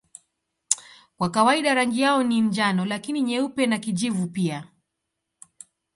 Kwa kawaida rangi yao ni njano lakini nyeupe na kijivu pia.